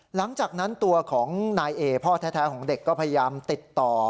หลังจากนั้นตัวของนายเอพ่อแท้ของเด็กก็พยายามติดต่อ